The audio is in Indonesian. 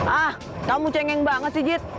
ah kamu cengeng banget sih jit